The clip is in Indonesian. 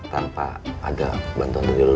tanpa ada bantuan dari lo